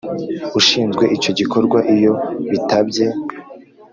ushinzwe icyo gikorwa Iyo bitabye